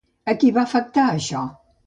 A qui va afectar això?